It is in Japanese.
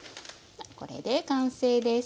これで完成です。